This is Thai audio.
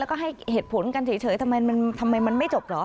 แล้วก็ให้เหตุผลกันเฉยทำไมมันไม่จบเหรอ